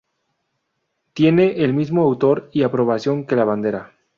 Tiene el mismo autor y aprobación que la bandera.